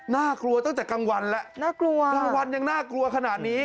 น่ากลัวตั้งแต่กลางวันแหละยังน่ากลัวขนาดนี้